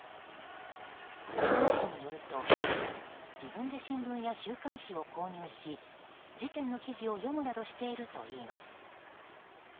弁護士によると自分で新聞や週刊誌を購入し事件の記事を読むなどしているといいます。